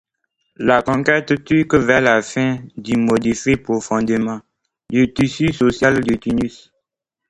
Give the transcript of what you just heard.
La conquête turque vers la fin du modifie profondément le tissu social de Tunis.